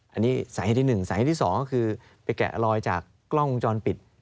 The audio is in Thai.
อันนี้สาเหตุที่๑สาเหตุที่๒ก็คือไปแกะรอยจากกล้องวงจรปิด